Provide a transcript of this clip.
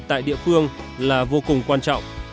tại địa phương là vô cùng quan trọng